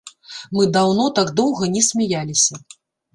Мы даўно так доўга не смяяліся!